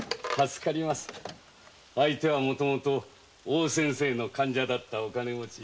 相手はもともと大先生の患者だったお金持ち。